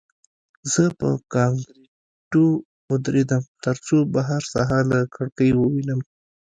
زه په کانکریټو ودرېدم ترڅو بهر ساحه له کړکۍ ووینم